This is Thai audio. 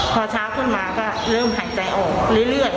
พอเช้าขึ้นมาก็เริ่มหายใจออกเรื่อย